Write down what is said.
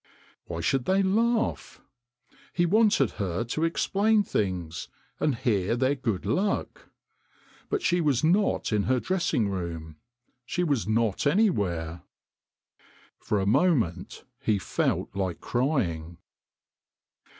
Why should they laugh? He wanted her to explain things, and hear their good luck. But she was not in her dressing room, she was not anywhere. For a moment he felt like crying.